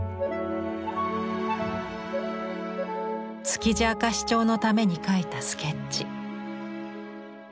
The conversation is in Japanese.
「築地明石町」のために描いたスケッチ。